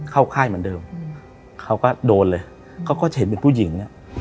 ค่ายเหมือนเดิมเขาก็โดนเลยเขาก็จะเห็นเป็นผู้หญิงอ่ะ